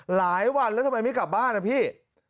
หลายวันแล้วทำไมไม่กลับบ้านนะพี่